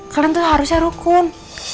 kalian tuh harusnya rukun